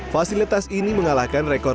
fasilitas ini mengalahkan rekor